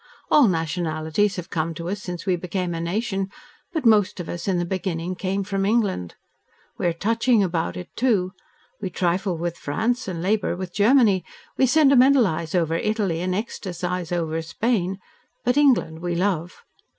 All nationalities have come to us since we became a nation, but most of us in the beginning came from England. We are touching about it, too. We trifle with France and labour with Germany, we sentimentalise over Italy and ecstacise over Spain but England we love.